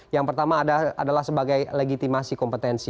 yang pertama adalah sebagai legitimasi kompetensi